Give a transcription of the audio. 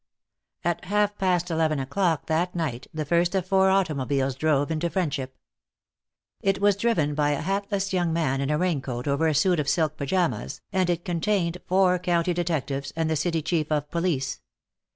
At half past eleven o'clock that night the first of four automobiles drove into Friendship. It was driven by a hatless young man in a raincoat over a suit of silk pajamas, and it contained four County detectives and the city Chief of Police.